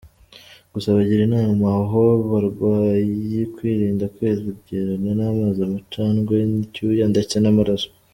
Gusa bagira inama abo barwayi kwirinda kwegerana n’amazi, amacandwe, icyuya ndetse n’amaraso.